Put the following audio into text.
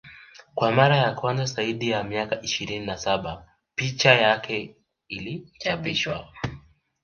Kwa mara ya kwanza zaidi ya miaka ishirini na saba picha yake ilichapishwa